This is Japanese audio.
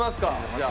じゃあ。